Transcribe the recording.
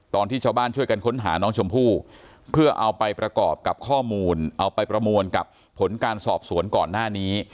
ตอนที่ชาวบ้านช่วยกันค้นหาน้องชมพู่เพื่อเอาไปประกอบกับข้อมูลเอาไปประมวลกับผลการสอบสวนก่อนหน้านี้